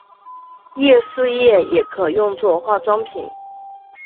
桦树液也可用做化妆品。